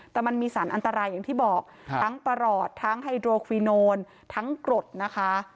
แต่มันมีสารอันตรายอย่างที่บอกทั้งประหลอดทั้งไฮโดรฟีโนนทั้งกรดนะคะ